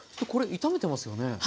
これ炒めてますよね？